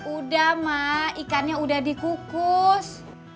udah mak ikannya udah dikukus